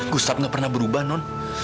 kustab gak pernah berubah non